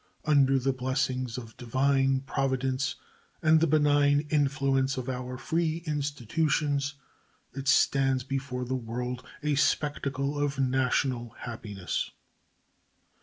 Under the blessings of Divine Providence and the benign influence of our free institutions, it stands before the world a spectacle of national happiness.